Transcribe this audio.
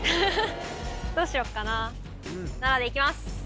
どうしよっかな７でいきます